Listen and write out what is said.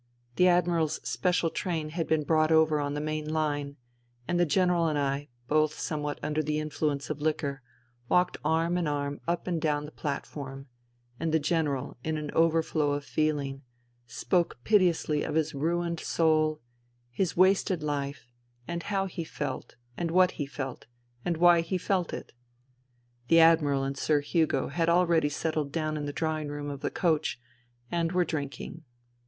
The Admiral's special train had been brought over on the main line ; and the General and I, both somewhat under the influence of liquor, walked arm in arm up and down the plat form ; and the General, in an overflow of feeling, spoke piteously of his ruined soul, his wasted life, and how he felt, and what he felt, and why he felt it. The Admiral and Sir Hugo had already settled down in the drawing room of the coach, and were drinking.